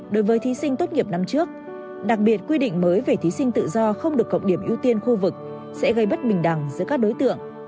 đối với thí sinh tốt nghiệp năm trước đặc biệt quy định mới về thí sinh tự do không được cộng điểm ưu tiên khu vực sẽ gây bất bình đẳng giữa các đối tượng